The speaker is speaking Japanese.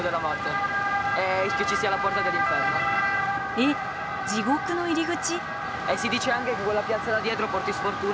えっ地獄の入り口？